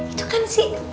itu kan si